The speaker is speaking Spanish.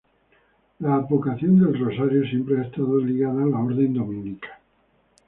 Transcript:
La advocación del "rosario" siempre ha estado ligada a la Orden Dominica.